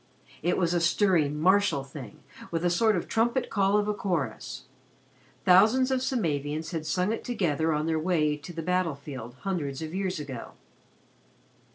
It was a stirring martial thing with a sort of trumpet call of a chorus. Thousands of Samavians had sung it together on their way to the battle field, hundreds of years ago.